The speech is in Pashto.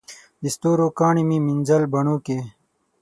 د ستورو کاڼي مې مینځل بڼوکي